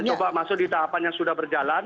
yang mencoba masuk di tahapan yang sudah berjalan